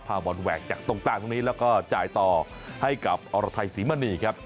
บอลแหวกจากตรงกลางตรงนี้แล้วก็จ่ายต่อให้กับอรไทยศรีมณีครับ